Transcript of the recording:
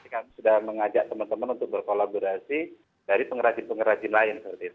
kami sudah mengajak teman teman untuk berkolaborasi dari pengrajin pengrajin lain